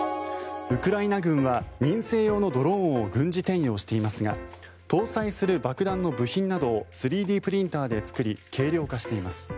ウクライナ軍は民生用のドローンを軍事転用していますが搭載する爆弾の部品などを３Ｄプリンターで作り軽量化しています。